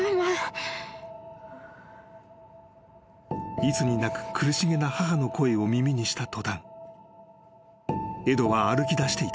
［いつになく苦しげな母の声を耳にした途端エドは歩きだしていた。